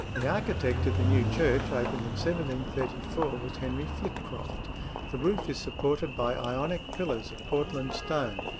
The architect of the new church, opened in 1734, was Henry Flitcroft. The roof is supported by Ionic pillars of Portland stone.